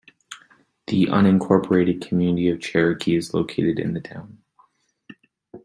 The unincorporated community of Cherokee is located in the town.